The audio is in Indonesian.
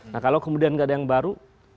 nah kalau kemudian nggak ada yang baru